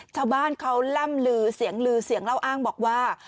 ชาวบ้านเขาล่ำลือเสียงลือเสียงเล่าอ้างบอกว่า